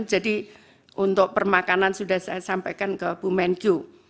jadi untuk permakanan sudah saya sampaikan ke bu menkyu